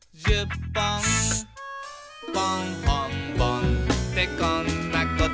「ぽんほんぼんってこんなこと」